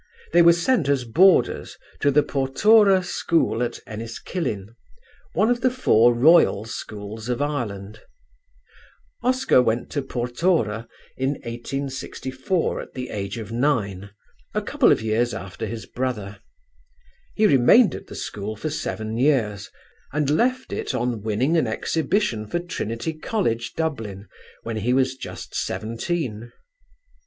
They were sent as boarders to the Portora School at Enniskillen, one of the four Royal schools of Ireland. Oscar went to Portora in 1864 at the age of nine, a couple of years after his brother. He remained at the school for seven years and left it on winning an Exhibition for Trinity College, Dublin, when he was just seventeen.